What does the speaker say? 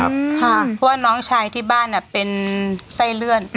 เพราะว่าน้องชายที่บ้านเป็นไส้เลื่อน